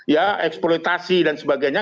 ya eksploitasi dan sebagainya